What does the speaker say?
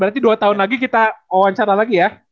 berarti dua tahun lagi kita wawancara lagi ya